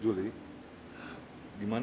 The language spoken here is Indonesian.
aku udah bisa lihat